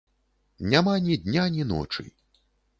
Няма ні дня, ні ночы!